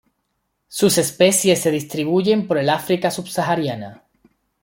Sus especies se distribuyen por el África subsahariana.